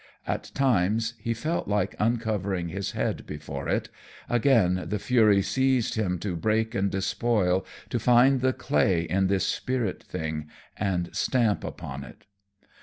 At times he felt like uncovering his head before it, again the fury seized him to break and despoil, to find the clay in this spirit thing and stamp upon it.